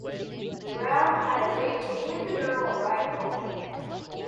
Brown had agreed to give the girl a ride home.